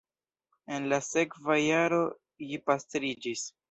En la sekva jaro ji pastriĝis.